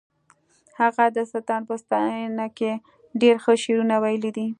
هغه د سلطان په ستاینه کې ډېر ښه شعرونه ویلي دي